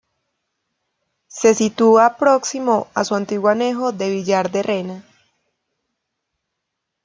Se sitúa próximo a su antiguo anejo de Villar de Rena.